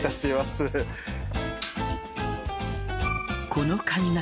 この髪形